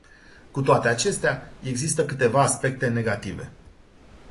Cu toate acestea, există câteva aspecte negative.